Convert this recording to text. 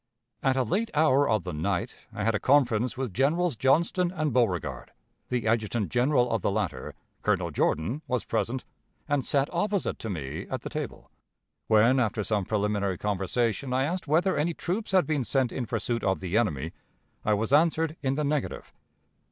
At a late hour of the night, I had a conference with Generals Johnston and Beauregard; the Adjutant General of the latter, Colonel Jordan, was present, and sat opposite to me at the table. When, after some preliminary conversation, I asked whether any troops had been sent in pursuit of the enemy, I was answered in the negative.